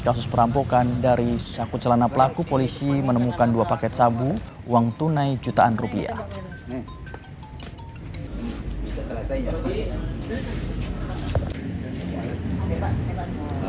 kasus perampokan dari saku celana pelaku polisi menemukan dua paket sabu uang tunai jutaan rupiah bisa selesai jadi